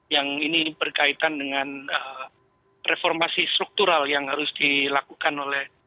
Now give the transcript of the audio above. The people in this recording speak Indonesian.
yang ini berkaitan dengan reformasi struktural yang harus dilakukan oleh